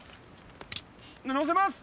のせます！